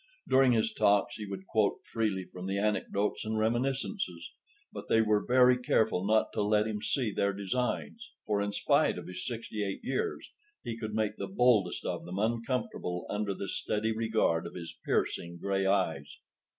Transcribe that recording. During his talks he would quote freely from the Anecdotes and Reminiscences. But they were very careful not to let him see their designs, for in spite of his sixty eight years he could make the boldest of them uncomfortable under the steady regard of his piercing gray eyes.